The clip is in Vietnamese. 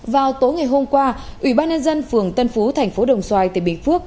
vào tối ngày hôm qua ủy ban nhân dân phường tân phú thành phố đồng xoài tỉnh bình phước